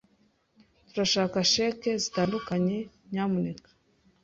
Turashaka cheque zitandukanye, nyamuneka.